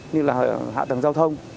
như là hạ tầng giao thông